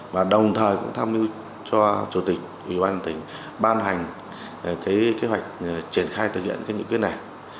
và đồng thời cũng tham mưu cho chủ tịch nghị ban hành kế hoạch truyền khai thực hiện những quyết này